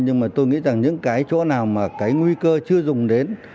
nhưng mà tôi nghĩ rằng những cái chỗ nào mà cái nguy cơ chưa dùng đến